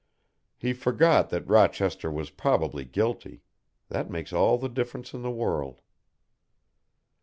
He forgot that Rochester was probably guilty that makes all the difference in the world.